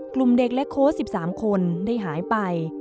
กลุ่มเด็กและโค้ช๑๓คนได้หายไป